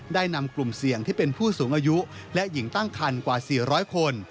นำกลุ่มเสี่ยงที่เป็นผู้สูงอายุและหญิงตั้งคันกว่า๔๐๐คน